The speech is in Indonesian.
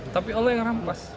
tapi oleh yang merampas